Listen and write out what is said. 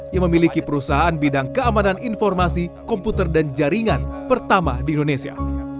yang memiliki perusahaan bidang keamanan informasi komputer dan jaringan pertama di indonesia